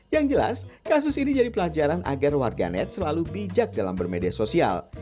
yang jelas kasus ini jadi pelajaran agar warganet selalu bijak dalam bermedia sosial